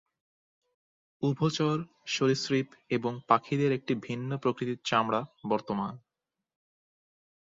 উভচর, সরীসৃপ, এবং পাখিদের একটি ভিন্ন প্রকৃতির চামড়া বর্তমান।